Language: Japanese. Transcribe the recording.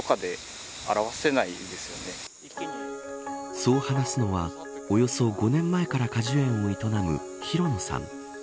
そう話すのは、およそ５年前から果樹園を営む広野さん。